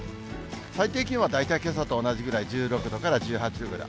最低気温は大体けさと同じぐらい、１６度から１８度ぐらい。